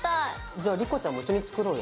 じゃあ莉子ちゃんも一緒に作ろうよ。